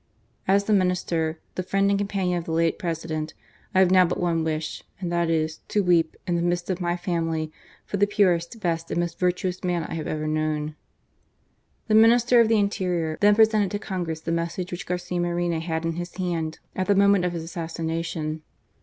As the Minister, the friend and companion of the late President, I have now but one wish, and that is, to weep, in the midst of my femily, for the parest, best, and most virtuous man I have ever known." The Minister of the Interior then presented to Congress the message which Garcia Moreno had in his hand at the moment of his assassination.